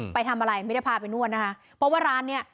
ไปทำอะไรไม่ได้พาไปนวดนะคะเพราะว่าร้านเนี้ย